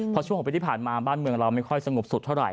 เพราะช่วง๖ปีที่ผ่านมาบ้านเมืองเราไม่ค่อยสงบสุดเท่าไห